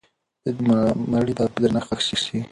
د دې مړي به په درنښت ښخ سي.